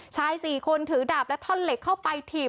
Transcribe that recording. ชาย๔คนถือดาบและท่อนเหล็กเข้าไปถีบ